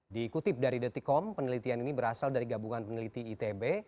dikutip dari detikom penelitian ini berasal dari gabungan peneliti itb